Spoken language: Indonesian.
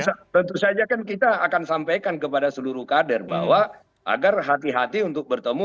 ya tentu saja kan kita akan sampaikan kepada seluruh kader bahwa agar hati hati untuk bertemu